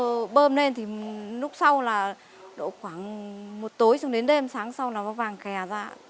cô bơm lên thì lúc sau là khoảng một tối xuống đến đêm sáng sau là nó vàng kè ra